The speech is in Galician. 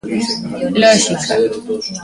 Lóxica.